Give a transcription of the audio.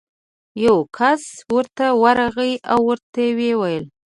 یو کس ورته ورغی او ورته ویې ویل: